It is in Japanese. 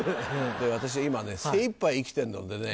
私は今ね精いっぱい生きてんのでね